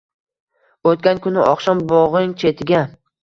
O’tgan kuni oqshom bog’ning chetiga